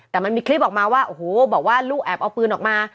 แต่มันมีคลิปออกมาว่าโอ้โหบอกว่าลูกแอบเอาปืนออกมา